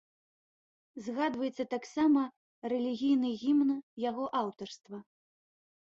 Згадваецца таксама рэлігійны гімн яго аўтарства.